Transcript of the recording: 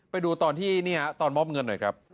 ไปดูตอนมอบเงิน